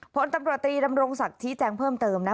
ผลตำรวจตรีดำรงศักดิ์ชี้แจงเพิ่มเติมนะ